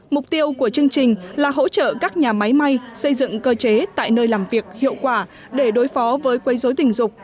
mục tiêu của chương trình là hỗ trợ các nhà máy may xây dựng cơ chế tại nơi làm việc hiệu quả để đối phó với quấy dối tình dục